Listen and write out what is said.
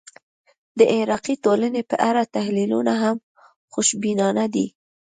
د عراقي ټولنې په اړه تحلیلونه هم خوشبینانه دي.